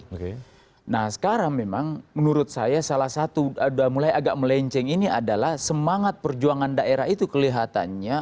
nah sekarang memang menurut saya salah satu sudah mulai agak melenceng ini adalah semangat perjuangan daerah itu kelihatannya